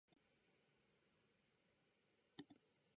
具体的なことが思い出せない。きっとどこかに行ったはず。